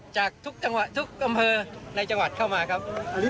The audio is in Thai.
จากทุกกำเภอในจังหวัดเข้ามาครับ